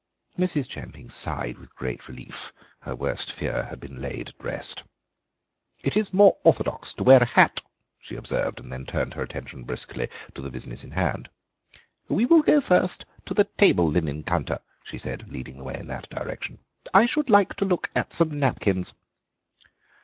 Mrs. Chemping sighed with great relief; her worst fear had been laid at rest. "It is more orthodox to wear a hat," she observed, and then turned her attention briskly to the business in hand. "We will go first to the table linen counter," she said, leading the way in that direction; "I should like to look at some napkins."